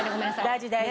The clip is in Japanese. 大事大事。